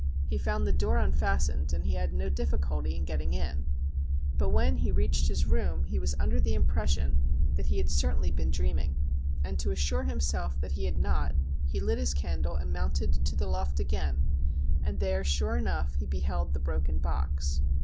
He found the door unfastened, and he had no difficulty in getting in. But when he reached his room he was under the impression that he had certainly been THE SHINING HAND 185 dreaming, and to assure himself that he had not he lit his candle and mounted to the loft again, and there sure enough he beheld the broken box.